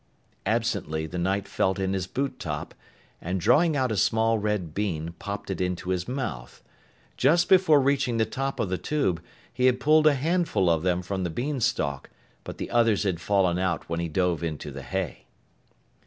Absently, the Knight felt in his boot top and drawing out a small red bean popped it into his mouth. Just before reaching the top of the tube, he had pulled a handful of them from the beanstalk, but the others had fallen out when he dove into the hay.